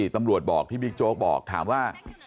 ตำรวจบอกที่บิ๊กโจ๊กบอกถามว่า